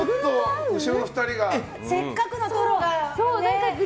せっかくのトロが。